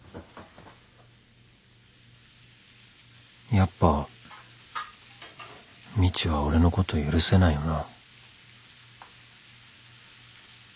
やっぱみちは俺のこと許せないよな